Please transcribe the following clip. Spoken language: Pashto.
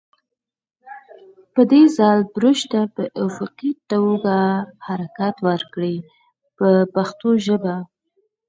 په دې ځل برش ته په افقي توګه حرکت ورکړئ په پښتو ژبه.